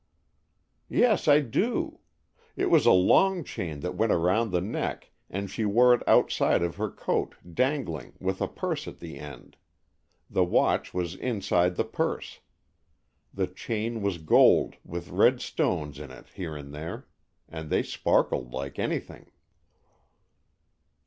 "Yes, I do. It was a long chain that went around the neck and she wore it outside of her coat, dangling, with a purse at the end. The watch was inside the purse. The chain was gold, with red stones in it here and there, and they sparkled like anything."